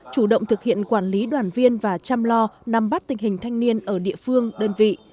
chủ động thực hiện quản lý đoàn viên và chăm lo nằm bắt tình hình thanh niên ở địa phương đơn vị